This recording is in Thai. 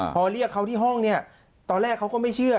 พอเรียกเขาที่ห้องเนี่ยตอนแรกเขาก็ไม่เชื่อ